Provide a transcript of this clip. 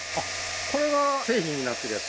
これが製品になってるやつ？